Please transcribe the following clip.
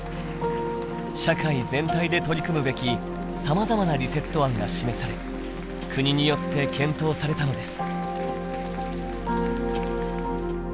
社会全体で取り組むべきさまざまなリセット案が示され国によって検討されたのです。